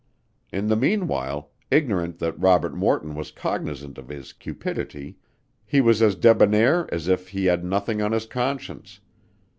In the meanwhile, ignorant that Robert Morton was cognizant of his cupidity, he was as debonair as if he had nothing on his conscience.